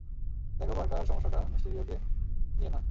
দ্যাখো, পার্কার, সমস্যাটা মিস্টিরিওকে নিয়ে না।